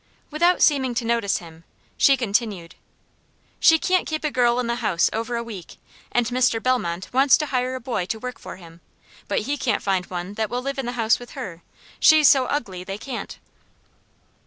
Without seeming to notice him, she continued, "She can't keep a girl in the house over a week; and Mr. Bellmont wants to hire a boy to work for him, but he can't find one that will live in the house with her; she's so ugly, they can't."